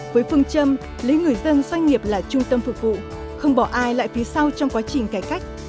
với phương châm lấy người dân doanh nghiệp là trung tâm phục vụ không bỏ ai lại phía sau trong quá trình cải cách